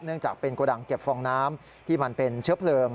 จากเป็นโกดังเก็บฟองน้ำที่มันเป็นเชื้อเพลิง